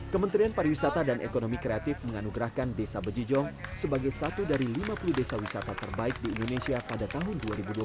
kementerian pariwisata dan ekonomi kreatif menganugerahkan desa bejijong sebagai satu dari lima puluh desa wisata terbaik di indonesia pada tahun dua ribu dua puluh